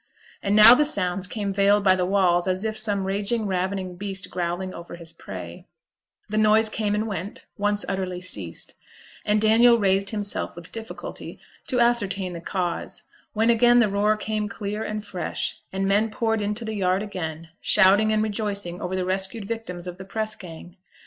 And now the sounds came veiled by the walls as of some raging ravening beast growling over his prey; the noise came and went once utterly ceased; and Daniel raised himself with difficulty to ascertain the cause, when again the roar came clear and fresh, and men poured into the yard again, shouting and rejoicing over the rescued victims of the press gang.